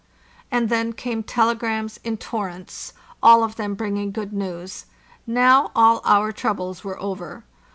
And then came telegrams in torrents, all of them bringing good news. Now all our troubles were over.